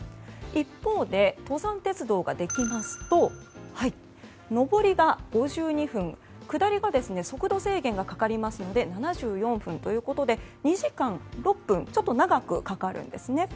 一方で、登山鉄道ができますと上りが５２分下りが速度制限がかかりますので７４分ということで２時間６分とちょっと長くかかるんです。